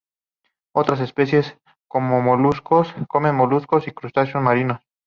Otras especies comen moluscos o crustáceos marinos.